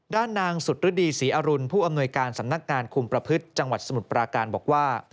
ด้านนางสุดฤดีศรีอรุณผู้อำนวยการสำนักงานคุมประพฤติจังหวัดสมุทรปราการบอกว่า